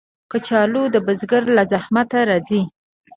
کچالو د بزګر له زحمته راځي